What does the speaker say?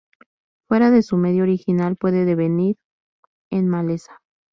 Fuera de su medio original puede devenir en maleza.